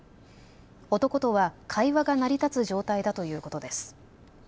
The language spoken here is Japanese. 男とは会話が成り立つ状態だということです。